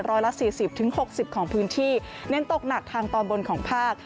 ร้อยละ๔๐๖๐ของพื้นที่เน้นตกหนักทางตอนบนของภาค